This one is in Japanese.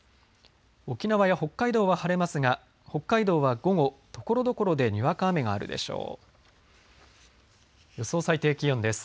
沖縄や北海道は晴れますが北海道は午後ところどころでにわか雨があるでしょう。